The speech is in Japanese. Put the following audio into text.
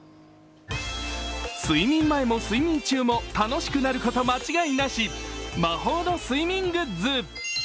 睡眠前も睡眠中も楽しくなること間違いなし、魔法の睡眠グッズ。